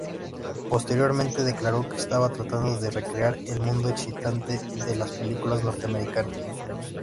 Posteriormente declaró que estaba tratando de recrear el mundo excitante de las películas norteamericanas.